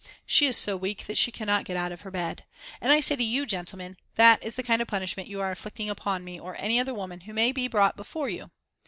She is so weak that she cannot get out of her bed. And I say to you, gentlemen, that is the kind of punishment you are inflicting upon me or any other woman who may be brought before you.